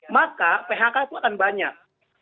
maka phk itu akan banyak